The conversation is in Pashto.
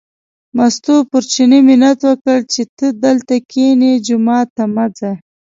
مستو پر چیني منت وکړ چې ته دلته کینې، جومات ته مه ځه.